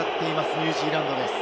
ニュージーランドです。